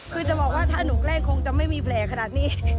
คือจะบอกว่าถ้าหนูแกล้งคงจะไม่มีแผลขนาดนี้